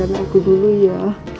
tolong dengarkan aku dulu ya